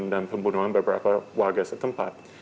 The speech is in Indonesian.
dan pembunuhan beberapa warga setempat